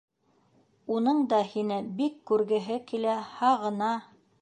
Уның да һине бик күргеһе килә, һағына.